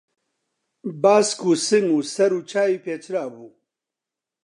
باسک و سنگ و سەر و چاوی پێچرابوو